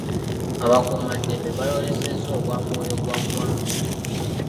Abakuumaddembe baayolesezza obwa mwoyogwaggwanga.